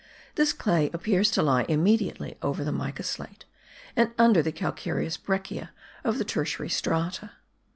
This clay appears to lie immediately over the mica slate, and under the calcareous breccia of the tertiary strata.